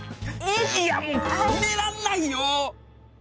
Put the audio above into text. いやもう決めらんないよ！